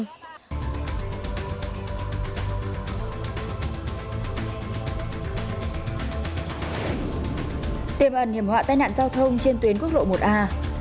hãy đăng kí cho kênh lalaschool để không bỏ lỡ những video hấp dẫn